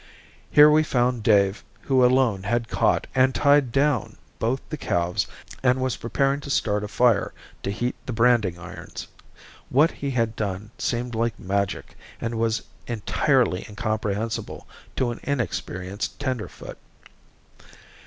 Here we found Dave who alone had caught and tied down both the calves and was preparing to start a fire to heat the branding irons. What he had done seemed like magic and was entirely incomprehensible to an inexperienced tenderfoot.